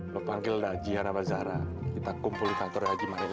lo panggil daji harabazara kita kumpulkan korea jimanin